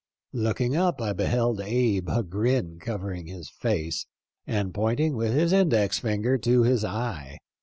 Looking up I beheld Abe, a grin covering his face, and pointing with his index finger to his eye.